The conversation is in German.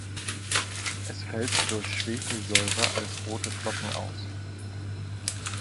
Es fällt durch Schwefelsäure als rote Flocken aus.